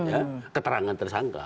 ya keterangan tersangka